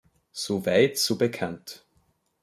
So weit, so bekannt.